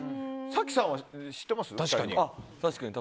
早紀さんは知ってます？